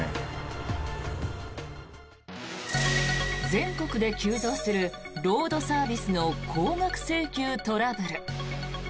全国で急増するロードサービスの高額請求トラブル。